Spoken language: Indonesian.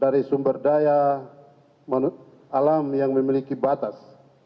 dari sumber daya manusia alam yang memiliki batas